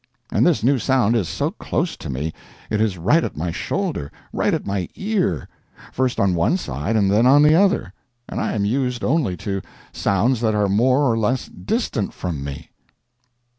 And this new sound is so close to me; it is right at my shoulder, right at my ear, first on one side and then on the other, and I am used only to sounds that are more or less distant from me.